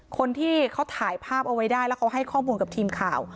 คนที่เขาถ่ายภาพเอาไว้ได้แล้วเขาให้ข้อมูลกับทีมข่าว